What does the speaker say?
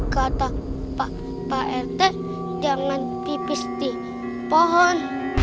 kata pak rt jangan tipis di pohon